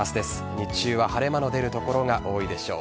日中は晴れ間の出る所が多いでしょう。